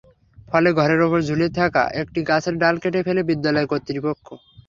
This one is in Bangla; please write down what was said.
ফলে ঘরের ওপর ঝুলে থাকা একটি গাছের ডাল কেটে ফেলে বিদ্যালয় কর্তৃপক্ষ।